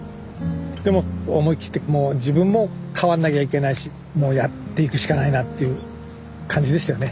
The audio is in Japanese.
でも思い切ってもう自分も変わんなきゃいけないしもうやっていくしかないなっていう感じでしたよね。